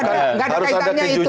enggak ada kaitannya itu